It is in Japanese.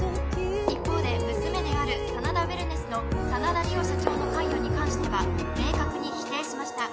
一方で娘である真田ウェルネスの真田梨央社長の関与に関しては明確に否定しました